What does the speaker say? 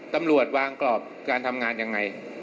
ตำรวจวางกรอบการทำงานยังไง